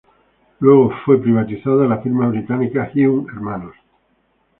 Luego fue privatizada, la firma británica Hume Hnos.